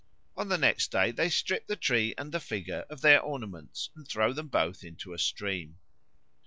On the next day they strip the tree and the figure of their ornaments, and throw them both into a stream."